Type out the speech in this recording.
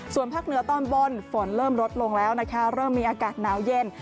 ส่วนภาคเหนือตอนบนฝนเริ่มลดลงแล้วนะคะเริ่มมีอากาศหนาวเย็น